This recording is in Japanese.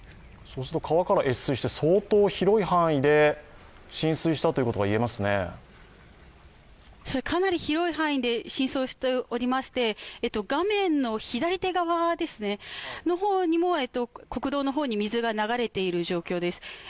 川から越水して相当広い範囲でかなり広い範囲で浸水しておりまして、画面の左手側の方にも国道の方に水が流れている状況です。